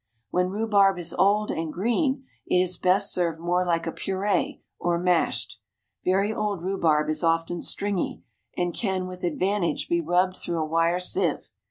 When rhubarb is old and green it is best served more like a puree, or mashed. Very old rhubarb is often stringy, and can with advantage be rubbed through a wire sieve.